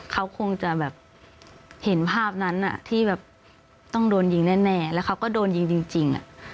เขาคงจะแบบเห็นภาพนั้นที่แบบต้องโดนยิงแน่แล้วเขาก็โดนยิงจริง